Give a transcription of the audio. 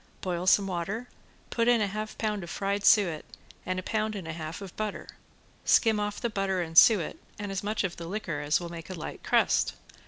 Boil some water, put in half a pound of fried suet and a pound and a half of butter. Skim off the butter and suet and as much of the liquor as will make a light crust.